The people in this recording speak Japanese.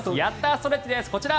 ストレッチですこちら。